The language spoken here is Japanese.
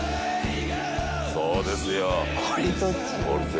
「そうですよ『ｆｆ』」